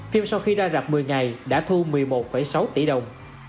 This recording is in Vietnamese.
phim sau khi ra rạp một mươi ngày đã thu một mươi một sáu tỷ đồng